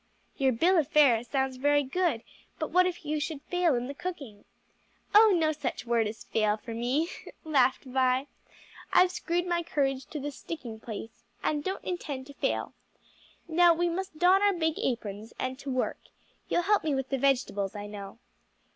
"Your bill of fare sounds very good, but what if you should fail in the cooking?" "Oh, no such word as fail for me!" laughed Vi. "I've screwed my courage to the sticking place, and don't intend to fail. Now we must don our big aprons and to work; you'll help me with the vegetables, I know."